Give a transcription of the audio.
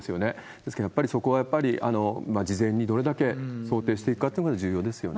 ですけど、そこはやっぱり、事前にどれだけ想定しているかっていうのが重要ですよね。